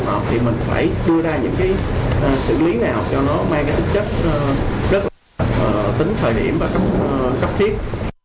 thì mình phải đưa ra những sự lý nào cho nó mang tích chất rất là tính thời điểm và cấp thiết